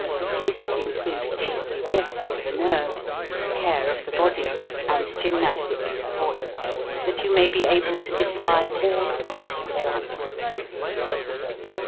This includes chiefly rest for the nerves, care of the body, and gymnastics of the voice, that you may be able to defy all possible chances.